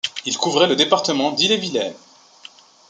Il couvrait le département d'Ille-et-Vilaine.